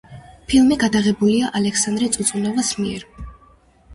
ფილმი გადაღებულია ალექსანდრე წუწუნავას მიერ.